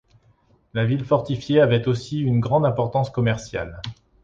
La ville fortifiée avait aussi une grande importance commerciale.